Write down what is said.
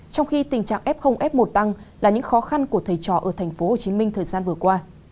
trong khi tình trạng f một tăng là những khó khăn của thầy trò ở tp hcm thời gian vừa qua